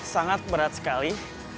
sangat berat sekali